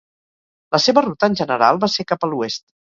La seva ruta en general va ser cap a l'oest.